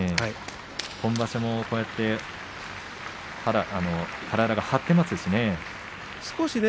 今場所、こうやって体が張っていますしね。